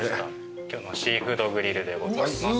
今日のシーフードグリルでございます。